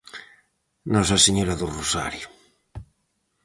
Nosa Señora do Rosario.